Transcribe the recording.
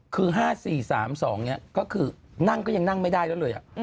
คือ๕๔๓๒ก็คือนั่งก็ยังนั่งไม่ได้แล้วเลย